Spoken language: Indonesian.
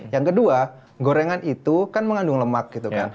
yang kedua gorengan itu kan mengandung lemak gitu kan